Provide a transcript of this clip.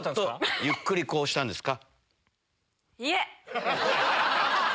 ゆっくりこうしたんですか？